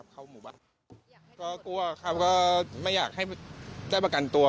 ก็กลัวครับไม่อยากให้ได้ประกันตัว